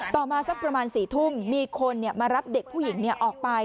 มาสักประมาณ๔ทุ่มมีคนมารับเด็กผู้หญิงออกไป